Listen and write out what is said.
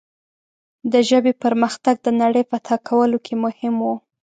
د ژبې پرمختګ د نړۍ فتح کولو کې مهم و.